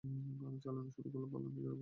আমি চালানো শুরু করলে, পালানোর জায়গা পাইবা না।